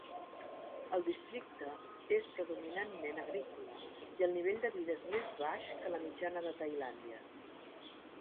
El districte és predominantment agrícola i el nivell de vida és més baix que la mitjana de Tailàndia.